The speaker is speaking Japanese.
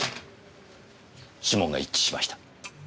指紋が一致しました。